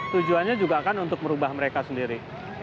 tujuannya juga kan untuk merubah mereka sendiri